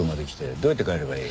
どうやって帰ればいい？